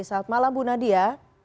selamat malam bu nadia